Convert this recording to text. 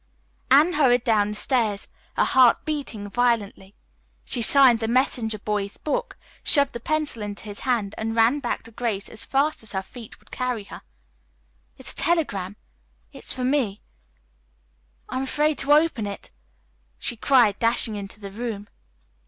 Anne hurried down the stairs, her heart beating violently. She signed the messenger boy's book, shoved the pencil into his hand and ran back to Grace as fast as her feet would carry her. "It's a telegram, Grace. It's for me. I'm afraid to open it," she cried, dashing into the room.